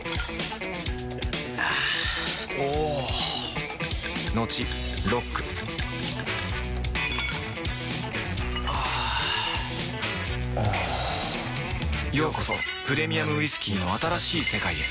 あぁおぉトクトクあぁおぉようこそプレミアムウイスキーの新しい世界へ